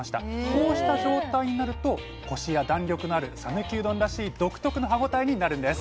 こうした状態になるとコシや弾力のある讃岐うどんらしい独特の歯応えになるんです。